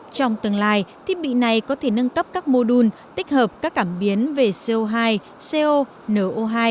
trong tương lai thiết bị này có thể nâng cấp các mô đun tích hợp các cảm biến về co hai co no hai